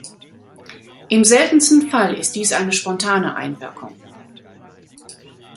Im seltensten Fall ist dies eine spontane Einwirkung.